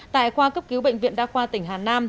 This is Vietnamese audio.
tại khoa cấp cứu bệnh viện đa khoa tỉnh hà nam